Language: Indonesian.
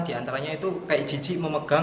diantaranya itu kayak jijik memegang